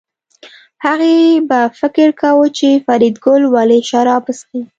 هغې به فکر کاوه چې فریدګل ولې شراب څښي